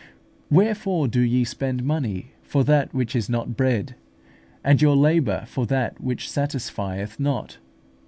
"Wherefore do ye spend money for that which is not bread, and your labour for that which satisfieth not?